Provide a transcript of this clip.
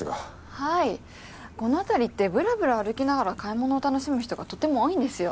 はいこの辺りってぶらぶら歩きながら買い物を楽しむ人がとても多いんですよ。